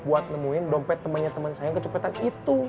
buat nemuin temen temen saya yang kecopetan itu